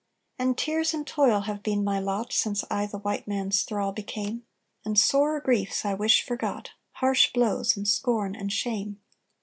"And tears and toil have been my lot Since I the white man's thrall became, And sorer griefs I wish forgot Harsh blows, and scorn, and shame!